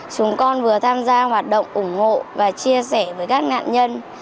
chúng con vừa tham gia hoạt động ủng hộ và chia sẻ với các nạn nhân